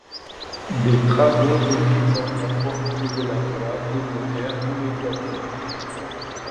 Des travaux de mise en conformité de la voie débutèrent immédiatement.